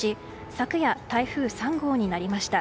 昨夜、台風３号になりました。